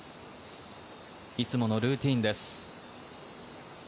いつものルーティンです。